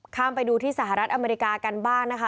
ไปดูที่สหรัฐอเมริกากันบ้างนะคะ